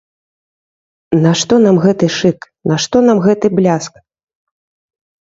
Нашто нам гэты шык, нашто нам гэты бляск.